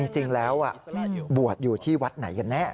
จริงแล้วอ่ะอืมบวชอยู่ที่วัดไหนกันแน่ค่ะ